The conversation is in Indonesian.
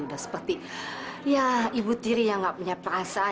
udah seperti ya ibu tiri yang nggak punya perasaan